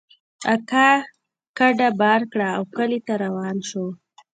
اکا کډه بار کړه او کلي ته روان سو.